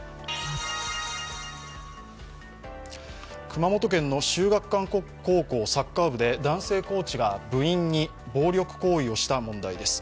熊本県、秀岳館高校サッカー部で男性コーチが部員に暴力行為をした問題です。